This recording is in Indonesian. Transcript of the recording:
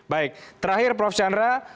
baik terakhir prof chandra